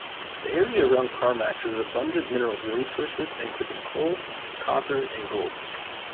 The area around Carmacks has abundant mineral resources, including coal, copper, and gold.